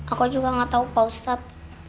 aku juga gak tahu pak ustadz